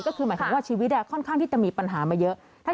ก็คือหมายความว่าชีวิตค่อนข้างที่จะมีปัญหามาเยอะ